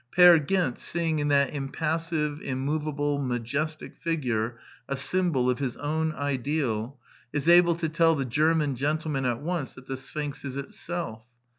Peer Gynt, seeing in that impassive, immovable, ma jestic figure, a symbol of his own ideal, is able to tell the German gentleman at once that the Sphinx is itself.